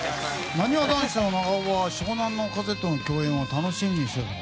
なにわ男子の長尾は湘南乃風との共演を楽しみにしてたの？